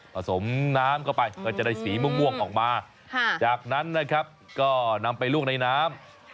สมน้ำเข้าไปก็จะได้สีม่วงออกมาจากนั้นนะครับก็นำไปลวกในน้ำ